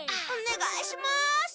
おねがいします！